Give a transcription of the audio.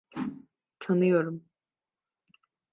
Tanıyorum.